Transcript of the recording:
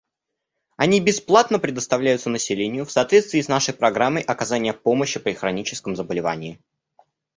Они бесплатно предоставляются населению в соответствии с нашей программой оказания помощи при хроническом заболевании.